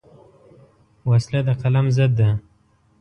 وسله د قلم ضد ده